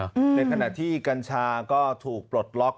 ในขณะที่กัญชาก็ถูกปลดล็อก